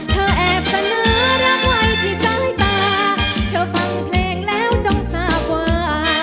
แอบเสนอรักไว้ที่สายตาเธอฟังเพลงแล้วจงทราบว่า